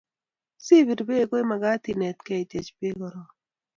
si pir peek ko magat inetkei itiech peek korok